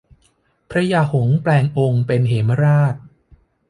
พญาหงส์แปลงองค์เป็นเหมราช